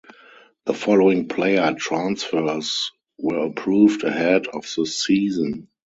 The following player transfers were approved ahead of the season.